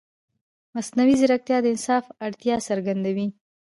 مصنوعي ځیرکتیا د انصاف اړتیا څرګندوي.